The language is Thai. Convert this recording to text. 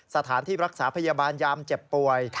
สถานที่รักษาพยาบาลยามเจ็บป่วย